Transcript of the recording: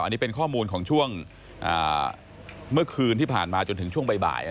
อันนี้เป็นข้อมูลของช่วงเมื่อคืนที่ผ่านมาจนถึงช่วงบ่าย